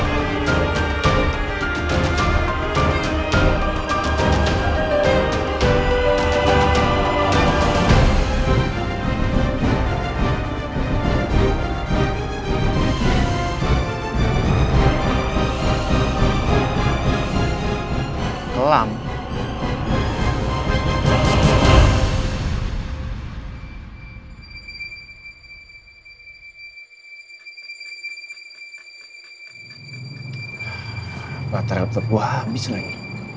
baterai laptop gua habis lagi